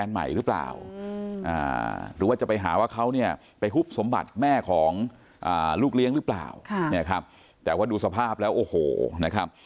หรือว่าจะไปหาว่าเขาเนี่ยไปฮุบสมบัติแม่ของอ่าลูกเลี้ยงรึเปล่าครับเนี่ยครับแต่ว่าดูสภาพแล้วโอ้โหนะครับ